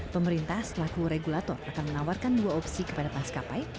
pemerintah selaku regulator akan menawarkan dua opsi kepada maskapai